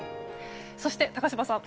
そして、高島さん